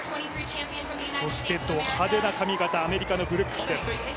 そしてド派手な髪形、アメリカのブルックスです。